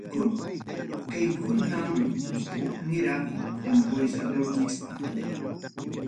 Kaykunam hukniraq temporizador nisqan.